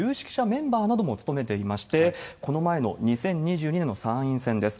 メンバーなども務めていまして、この前の２０２２年の参院選です。